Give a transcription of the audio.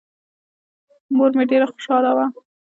مور مې ډېره خوشاله وه.